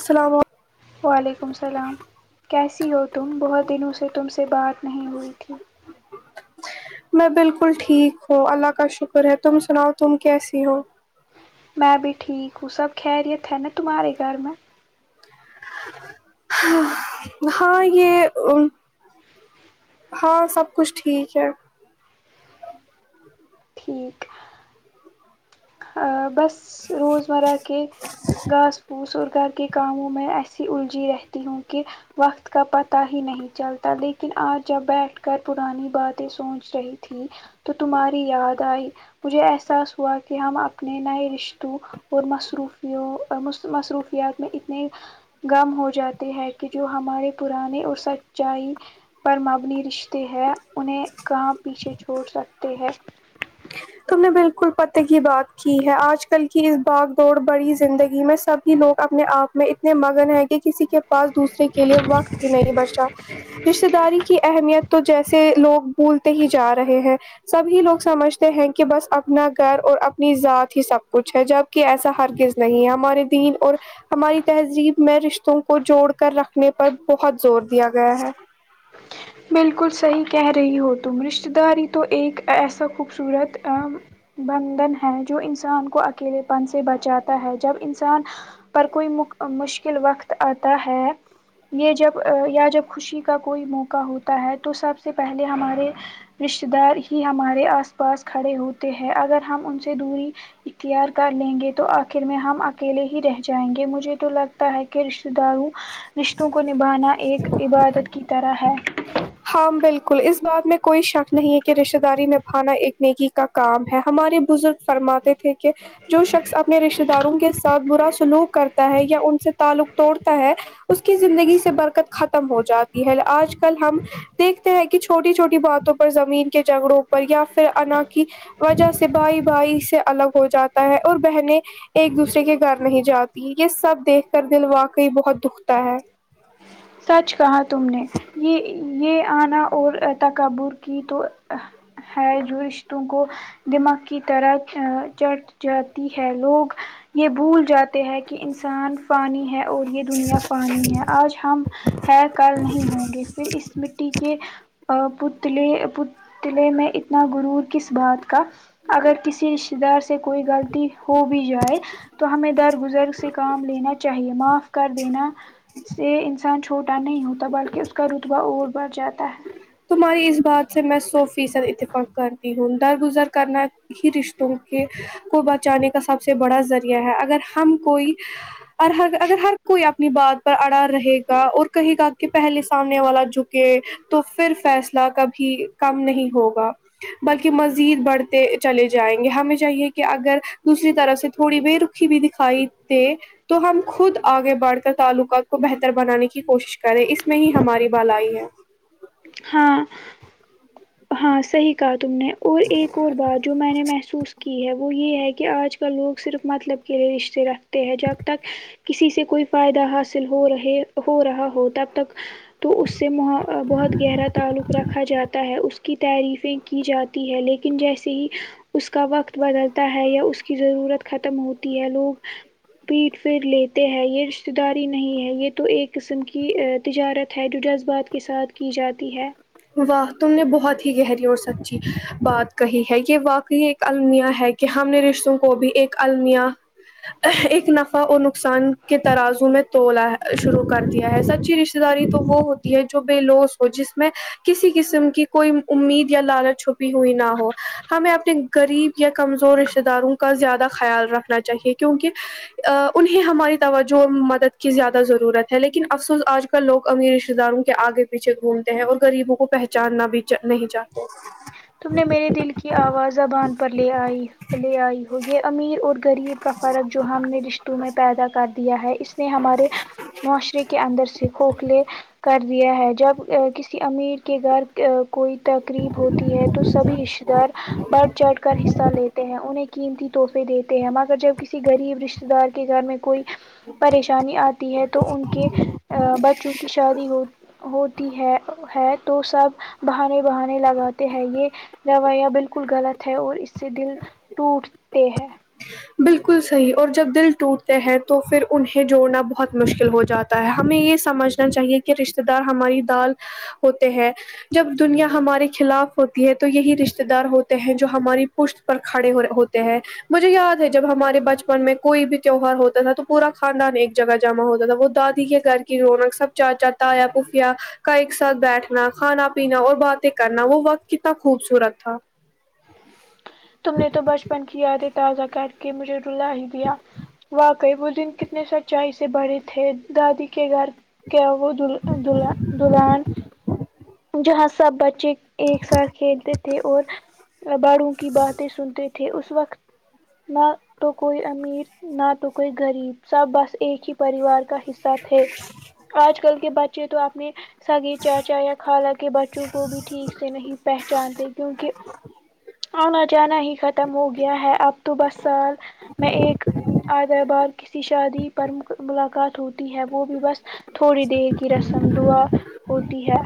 السلام علیکم وعلیکم السلام کیسی ہو تم بہت دنوں سے تم سے بات نہیں ہوئی تھی میں بالکل ٹھیک ہوں اللہ کا شکر ہے تم سناؤ تم کیسی ہو میں بھی ٹھیک ہوں سب خیریت ہے نا تمہارے گھر میں ہاں یہ ہاں سب کچھ ٹھیک ہے ٹھیک ہاں بس روز مرہ کے گھاس پوس اور گھر کے کاموں میں ایسی الجھی رہتی ہوں کہ وقت کا پتہ ہی نہیں چلتا لیکن اج جب بیٹھ کر پرانی باتیں سوچ رہی تھی تو تمہاری یاد آئی مجھے احساس ہوا کہ کہ ہم اپنے نئے رشتوں اور مصروفیوں مصروفیات میں اتنے غم ہو جاتی ہے کہ جو ہمارے پرانے اور سچائی پر مبنی رشتے ہیں انہیں کہاں پیچھے چھوڑ سکتے ہیں تم نے بالکل پتے کی بات کی ہے آج کل کی اس باغ دوڑ بڑی زندگی میں سب لوگ اپنے آپ میں اتنے مگن ہے کہ کسی کے پاس دوسرے کے لیے وقت ہی نہیں بچا رشتہ داری کی اہمیت تو جیسے لوگ بھولتے ہی جا رہے ہیں سبھی لوگ سمجھتے ہیں کہ بس اپنا گھر اور اپنی ذات ہی سب کچھ ہے کہ ایسا ہرگز نہیں ہے ہمارے دین اور ہماری تہذیب میں رشتوں کو جوڑ کر رکھنے پر بہت زور دیا گیا ہے بالکل صحیح کہہ رہی ہو تم رشتہ داری تو ایک ایسا خوبصورت بندھن ہے جو انسان کو اکیلے پن سے بچاتا ہے جب انسان پر کوئی مشکل وقت اتا ہے یہ جب یا جب خوشی کا کوئی موقع ہوتا ہے تو سب سے پہلے ہمارے رشتے دار ہی ہمارے آس پاس کھڑے ہوتے ہیں اگر ہم ان سے دوری اختیار کر لیں گے تو آخر میں ہم اکیلے ہی رہ جائیں گے مجھے تو لگتا ہے کہ رشتے داروں رشتوں کو نبھانا ایک عبادت کی طرح ہے ہاں بالکل اس بات میں کوئی شک نہیں ہے کہ رشتے داری نیبھانا ایک نیکی کا کام ہے ہمارے بزرگ فرماتے تھے کہ جو شخص اپنے رشتہ داروں کے ساتھ برا سلوک کرتا ہے یا ان سے تعلق توڑتا ہے اس کی زندگی سے برکت ختم ہو جاتی ہے اج کل ہم دیکتے ہیں کہ چھوٹی چھوٹی باتوں پر زمین کے جھگڑوں پر یا پھر انا کی وجہ سے بھائی بھائی سے الگ ہو جاتا ہے اور بہنیں ایک دوسرے کے گھر نہیں جاتی یہ سب دیکھ کر دل واقعی بہت دکھتا ہے سچ کہا تم نے یہ یہ آنا اور تکبر کی تو ہے جو رشتوں کو دماغ کی طرح جڑ جاتی ہے لوگ یہ بھول جات ے ہیں کہ انسان فانی ہے اور یہ دنیا فانی ہے آج ہم ہے کل نہیں ہوں گے پھر اس مٹی کے پتلے پتلے میں اتنا غرور کس بات کا اگر کسی رش یدار سے کوئی غلطی ہو بھی جائے تو ہمیں در گزر سے کام لینا چاہیے معاف کردینا سے انسان چھوٹا نہیں ہوتا بلکہ اس کا رتبہ اور بڑھ جاتا ہے تمہاری اس بات سے میں سو فیصد اتفاق کرتی ہوں درگزر کرنا ہی رشتوں کے کو بچانے کا سب سے بڑا ذریعہ ہے اگر ہم کوئی اور ہر اگر ہر کوئی اپنی بات پر اڑا رہے گا اور کہے گا کہ پہلے سامنے والا جھکے تو پھر فیصلہ کبھی کم نہیں ہوگا بلکہ مزید بڑھتے چلے جائیں گے ہمیں چاہیے کہ اگر دوسری طرف سے تھوڑی بے رخ کھی بھی دکھائی ت تو ہم خود آگے بڑھ کر تعلقات کو بہتر بنانے کی کوشش کریں اس میں ہی ہماری بھلائی ہے ہاں ہاں صحیح کہا تم نے اور ایک اور بات جو میں نے محسوس کی ہے وہ وہ یہ ہے کہ آج کل لوگ صرف مطلب کے لیے رشتے رکھتے ہیں جب تک کسی سے کوئی فائدہ حاصل ہو رہے ہو رہا ہو تب تک تو اس سے مح بہت گہرا تعلق رکھا جاتا ہے اس کی تعریفیں کی جاتی ہے لیکن جیسے ہی اس کا وقت بدلتا ہے یا اس کی ضرورت ختم ہوتی ہے لوگ پیٹھ پھیر لیتے ہیں یہ رشتے داری نہیں ہے یہ تو ایک قسم کی تجارت ہے جو جذبات کے ساتھ کی جاتی ہے واہ تم نے بہت ہی گہری اور سچی بات کہی ہے یہ واقعی ایک المیا ہے کہ ہم نے رشتوں کو بھی ایک المیا ایک نفع اور نق نقصان کے ترازوں میں تولا شروع کر دیا ہے سچی رشتتے داری تو وہ ہوتی ہے جو بےلوث ہو جس میں کسی قسم کی کوئی امید یا لالچ چھپی ہوئی نہ ہو ہمیں اپنے غریب یا کمزور رشتتے داروں کا زیادہ خیال رکھنا چاہیے کیونکہ انہیں ہماری توجہ مدد کی زیادہ ضرورت ہے لیکن افسوس آج کل کل لوگ امیر رشتے داروں کے آگے پیچھے گھومتے ہیں اور غریبوں کو پہچاننا بھی نہیں چاہ تم نے میرے دل کی آواز زبان پر لے آئی لے آئی ہو یہ امیر اور غریب کا فرق جو ہم نے رشتوں میں پیدا کر دیا ہے اس نے ہمارے معاشرے کے اندر سے کھوکھلے کر دیا ہے جب کسی امیر کے گھر کوئی تقریب ہوتی ہے تو سبھی رشتے دار بڑھ چڑھ کر حصہ لیتے ہیں انہیں قیمتی تحفے دیتے ہیں مگر جب کسی غریب رشتے دار کے گھر میں کوئی پریشانی آتی ہے تو ان کے بچوں کی شادی ہو ہوتی ہے ہے تو سب بہانے بہانے لگاتے ہیں یہ رویہ بالکل بالکل غلط ہے اور اس سے دل ٹوٹتے ہے بالکل صحیح اور جب دل ٹوٹتے ہیں تو پھر انہیں جوڑنا بہت مشکل ہو جاتا ہے ہمیں یہ سمجھنا چاہیے کہ رشتے دار ہماری ڈال ہوتے ہیں جب دنیا ہمارے خلاف ہوتی ہے تو یہی رشتے دار ہوتے ہیں جو ہماری پشت پر کھڑے ہو ہوتے ہیں مجھے یاد ہے جب ہمارے بچپن میں کوئی بھی تیوہار ہوتا تھا تو پورا خاندان ایک جگہ جمع ہوتا تھا وہ دادی کے گھر کی رونق سب چاچا تایا پھوپیاں کا ایک ساتھ بیٹھنا کھانا پینا اور باتیں کرنا وہ وقت کتنا خوبصورت تھا ہ [inaudible] تم نے تو بچپن کی یادیں تازہ کر کے مجھے رولا ہی دیا وا واقعی وہ دن کتنے سچائی سے بھرے تھے دادی کے گھر وہ دل دلہ دلہن جہاں سب بچے ایک ساتھ کھیلتے تھے اور باڑوں باتیں سنتے تھے اس وقت نہ تو کوئی امیر نہ تو کوئی غریب سب بس ایک ہی پاریوار کا حصہ تھے آج کل کے بچے تو آپنے سگے چاچا یا خالہ کے بچوں کو بھی ٹھیک سے نہیں پہچانتے کیونکہ آنا جانا ہی ختم ہو گیا ہے اب تو بس سال میں ایک آدر بار کسی شادی پر ملاقات ہوتی ہے وہ بھی بس تھوڑی دیر کی رسم دعا ہوتی ہے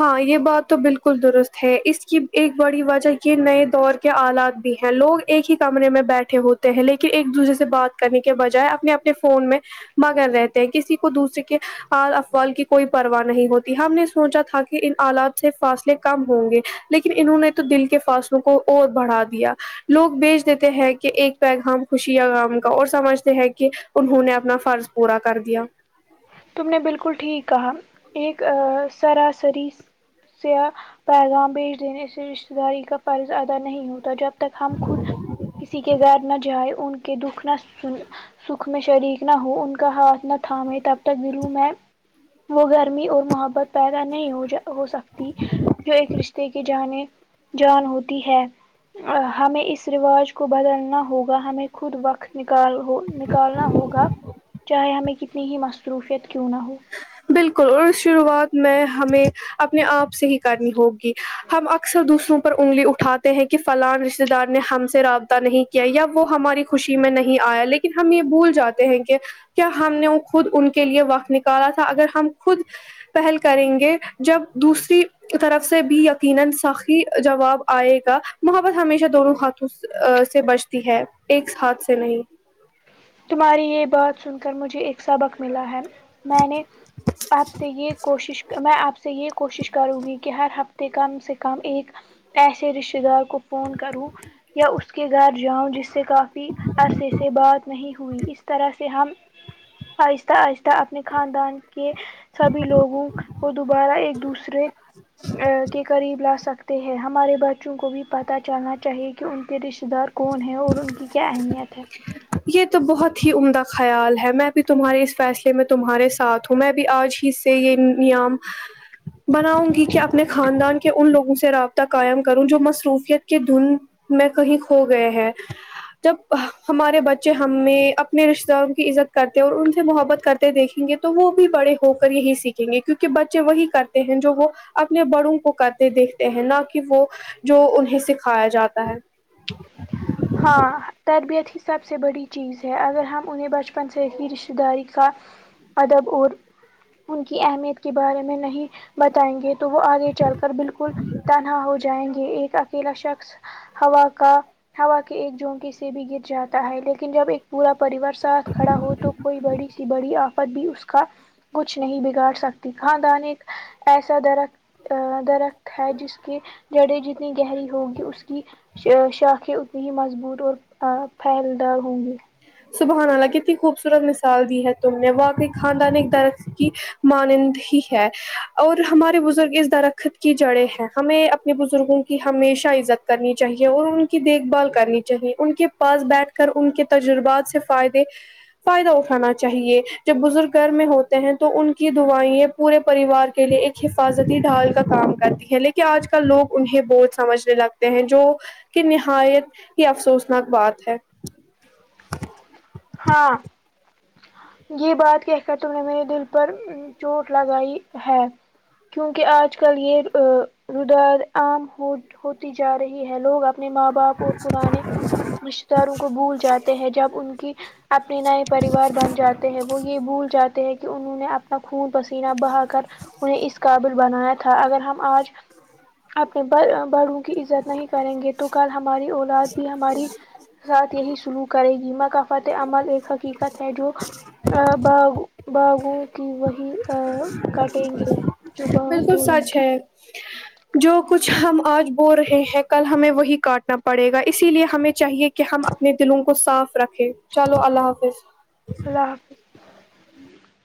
ہاں یہ بات تو بالکل درست ہے اس کی ایک بڑی وجہ یہ نئے دور آلات بھی ہیں لوگ ایک ہی کمرے میں بیٹھے ہوتے ہیں لیکن ایک دوسرے سے بات کرنے کے بجائے اپنے اپنے فون میں مگر رہتے ہیں کسی کو دوسرے کے افوال کی کوئی پرواہ نہیں ہوتی ہم نے سوچا تھا کہ ان حالات سے فاصلے کم ہوں گے لیکن انہوں نے تو دل کے فاصلے کو اور بڑھا دیا لوگ بیچ دیتے ہیں کہ ایک پیغام خوشی غم کا اور سمجھتے ہیں کہ انہوں نے اپنا فرض پورا کر دیا تم نے بلکل ٹھیک کہا ایک سراسری سیا پیغام بیچ دینے اس سے رشتے داری کا فرض ادا نہیں ہوتا جب تک ہم خود کسی کے گھر نہ جائے ان کے دکھ نہ سن سکھ میں شریک نہ ہو ان کا ہاتھ نہ تھامے تب تک گروح میں وہ گھر اور محبت پیدا نہیں ہو ہو سکتی جو ایک رشتے کی جان جان ہوتی ہے ہمیں اس رواج کو بدلنا ہوگا ہمیں خود وقت نکال نکالنا ہوگا چاہے ہمیں کتنی ہی مصروفیت کیوں نہ ہو بلکل اور شروعات میں ہمیں اپنے آپ سے ہی کرنی ہوگی ہم اکثر دوسروں پر انگلی اٹھاتے ہیں کہ فلاں رشتے دار نے ہم سے رابطہ نہیں کیا یا وہ ہماری خوشی میں نہیں آیا لیکن ہم یہ بھول جاتے ہیں کہ کیا ہم نے وہ خود ان کے لیے وقت نکالا اگر ہم خود پہل کریں گے جب دوسری طرف سے بھی یقینا سخی جواب آئے گا محبت ہمیشہ دونوں حق اس سے بچتی ہے ایک ہاتھ سے نہیں تمہاری یہ بات سن کر مجھے ایک سبق ملا ہے میں نے آپ سے یہ کوشش میں آپ سے یہ کوشش کروں گی کہ ہر ہفتہ کم سے کم ایک ایسے رشتے دار کو فون کروں یا اس کے گھر جاؤں جس سے کافی عرصے سے بات ہوئی اس طرح سے ہم آہستہ آہستہ اپنے خاندان کے سبھی لوگوں کو دوبارہ ایک دوسرے اں کہ قریب لا سکتے ہیں ہمارے بچوں کو بھی پتہ چلنا چاہیے کہ ان کے رشتہ دار کون ہیں اور ان کی کیا اہمیت ہے یہ تو بہت ہی عمدہ خیال ہے میں بھی تمہارے اس فیصلے میں تمہارے ساتھ ہوں میں بھی آج ہی سے یہ نییم بناؤں گی کہ اپنے خاندان کے ان لوگوں سے رابطہ قائم کروں جو مصروفیت کے دھن میں کہیں کھو گئے ہیں جب ہمارے بچے ہمیں اپنے رشتے داروں کی عزت کرتے اور ان سے محبت کرتے دیکھیں گے تو وہ بھی بڑے ہو کر یہی سیکھیں دیکیں گے کیونکہ بچے وہی کرتے ہیں جو وہ اپنے بڑوں کو کرتے دیکھتے ہیں نہ کہ وہ جو انہیں سکھایا جاتا ہے ہاں تربیت ہی سب سے بڑی چیز ہے اگر ہم انہیں بچپن سے ہی رشتہ داری کا ادب اور ان کی اہمیت کے بارے میں نہیں بتائیں گے تو وہ آگے چل کر بلکل تنہا ہو جائیں گے ایک اکیلا شخص ہوا کا ہوا کے ایک جھونکی سے بھی گر جاتا ہے لیکن جب ایک پورا پریوار ساتھ کھڑا ہو تو کوئی بڑی سی بڑی آفت بھی اس کا کچھ نہیں بگاڑ سکتی خاندان ایک ایسا درخت ا درخت ہے جس کی جڑیں جتنی گہری ہوگی اس کی شاخیں اتنی ہی مضبوط اور پھیل دار ہوں گی سبحان للہ کتنی خوبصورت مثال دی ہے تم نے واوقائی خاندان ایک درخت کی مانند ہی ہے اور ہمارے بزرگ اس درخت کی جڑیں ہیں ہمیں اپنے بزرگوں کی ہمیشہ عزت کرنی چاہیے اور ان کی دیکھ بھال کرنی چاہیے ان کے پاس بیٹھ کر ان کے تجربات سے فائدے فائدہ اٹھانا چاہیے جب بزرگ گھر میں ہوتے ہیں تو ان کی دعائیں پورے پریوار کے لیے ایک حفاظتی ڈھال کا کام کرتی ہے لیکن آج کل لوگ انہیں بوج سمجھنے لگ ہیں جو کہ نہایت ہی افسوسناک بات ہے [unintelligible] ہاں یہ بات کہ کر تم نے میرے دل پر چوٹ لگائی ہے کیونکہ آج کل یہ ردار عام ہوتی جا رہی ہے لوگ اب اپنے ماں باپ اور پرانے رشتے داروں کو بھول جاتے ہیں جب ان کی اپنے نئے پریوار بن جاتے ہیں وہ یہ بھول جاتے ہیں کہ انہوں نے اپنا خون پس سینا بہا کر انہیں اس قابل بنایا تھا اگر ہم آج آپ کو باڑا بارو کی عزت نہیں کریں گے تو کل ہماری اولاد بھی ہماراری ساتھ یہی سلوک کرے گی ہی ما کا فتح عمل ایک حقیقت ہے جو با باغوں کی وہی کاٹیں گے جو بالکل بولیں سچ گے ہے جو کچھ ہم آج بو رہے ہیں کل ہمیں وہی کاٹنا پڑے گا اسی لیے ہمیں چاہیے کہ ہم اپنے دلوں کو صاف رکھے چلو اللہ حافظ اللہ حافظ